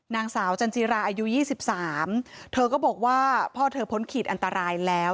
นางสาวจันจิราอายุ๒๓เธอก็บอกว่าพ่อเธอพ้นขีดอันตรายแล้ว